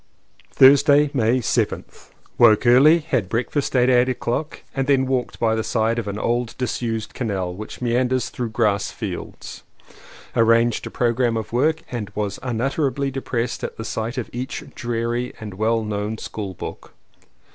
Thursday, May 7th. Woke early, had breakfast at eight o'clock and then walked by the side of an old dis used canal which meanders through grass fields. Arranged a programme of work and was unutterably depressed at the sight of each dreary and well known school book.